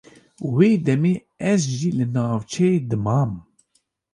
Wê demê ez jî li navçeyê dimam.